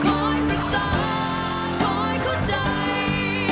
คอยประสานคอยเข้าใจ